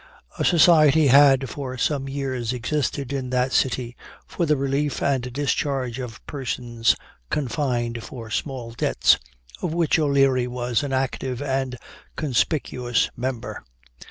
A society had for some years existed in that city 'for the relief and discharge of persons confined for small debts,' of which O'Leary was an active and conspicuous member.